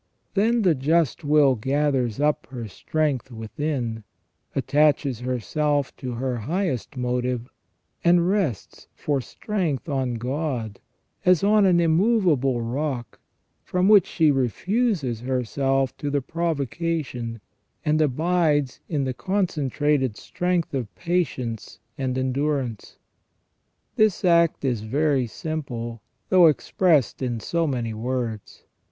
Then the just will gathers up her strength within, attaches herself to her highest motive, and rests for strength on God as on an immovable rock ; from which she refuses herself to the provoca tion, and abides in the concentrated strength of patience and endurance. This act is very simple, though expressed in so many words.